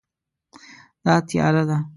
دا تیاره دی